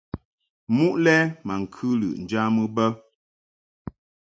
Muʼ lɛ ma ŋkɨ lɨʼ njamɨ bə.